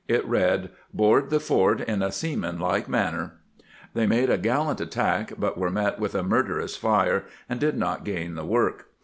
It read :" Board the fort in a seamanlike manner." They made a gallant attack, but were met with a murderous fire, and did not gain the work.